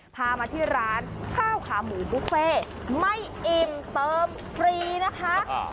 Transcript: พามาที่ร้านข้าวขาหมูบุฟเฟ่ไม่อิ่มเติมฟรีนะคะ